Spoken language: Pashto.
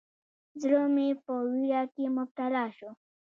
زړه مې په ویره کې مبتلا شو.